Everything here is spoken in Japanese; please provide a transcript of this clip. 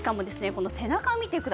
この背中見てください。